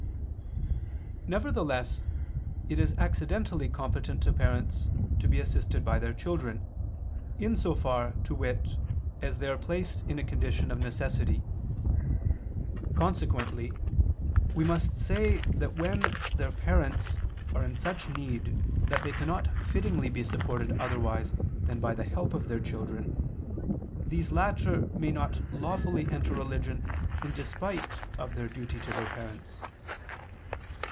Nevertheless it is accidentally competent to parents to be assisted by their children, in so far, to wit, as they are placed in a condition of necessity. Consequently we must say that when their parents are in such need that they cannot fittingly be supported otherwise than by the help of their children, these latter may not lawfully enter religion in despite of their duty to their parents.